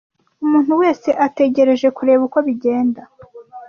Umuntu wese ategereje kureba uko bigenda.